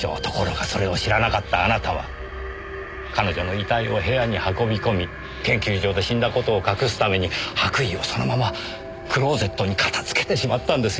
ところがそれを知らなかったあなたは彼女の遺体を部屋に運び込み研究所で死んだ事を隠すために白衣をそのままクローゼットに片付けてしまったんですよ。